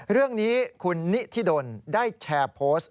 เรื่องนี้คุณนิธิดลได้แชร์โพสต์